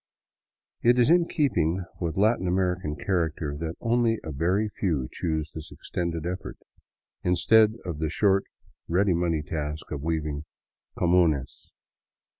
It is in keeping with Latin American character that only a very few choose this extended effort, instead of the short, ready money task of weaving " comunes."